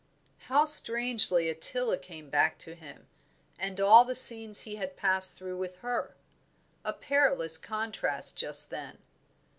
How strangely Ottila came back to him, and all the scenes he had passed through with her! a perilous contrast just then.